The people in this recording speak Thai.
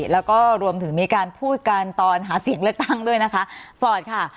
แล้วก็รวมถึงมีการพูดกันตอนหาเสียงเลือกตั้งด้วยนะคะฟอร์ตค่ะ